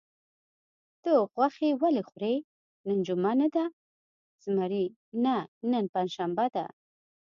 ته غوښې ولې خورې؟ نن جمعه نه ده؟ زمري: نه، نن پنجشنبه ده.